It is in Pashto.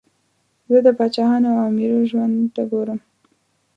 زه د پاچاهانو او امیرو ژوند ته ګورم.